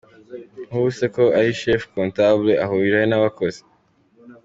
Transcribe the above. nkubu c ko ari chef comptable ahurirahe n’abakozi.